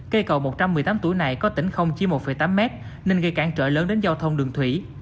cây cầu một trăm một mươi tám tuổi này có tỉnh không chỉ một tám mét nên gây cản trở lớn đến giao thông đường thủy